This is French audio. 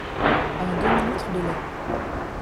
un demi litre de lait